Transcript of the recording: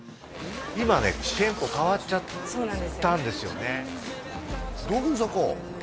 今ね店舗変わっちゃったんですよね道玄坂？